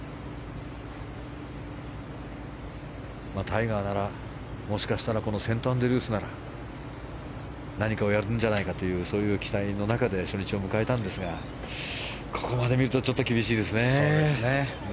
タイガーなら、もしかしたらこのセントアンドリュースなら何かをやるんじゃないかというそういう期待の中で初日を迎えたんですがここまで見るとちょっと厳しいですね。